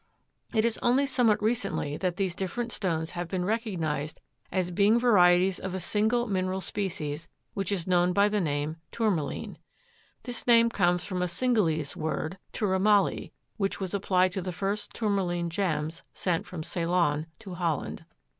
It is only somewhat recently that these different stones have been recognized as being varieties of a single mineral species which is known by the name Tourmaline. This name comes from a Cingalese word (turamali) which was applied to the first Tourmaline gems sent from Ceylon to Holland.